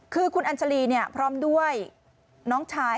คือคุณอัญชาลีพร้อมด้วยน้องชาย